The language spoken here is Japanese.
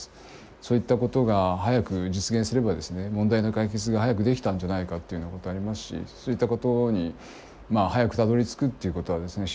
そういったことが早く実現すればですね問題の解決が早くできたんじゃないかっていうようなことありますしそういったことに早くたどりつくっていうことはですね